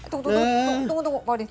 tunggu tunggu tunggu pak odi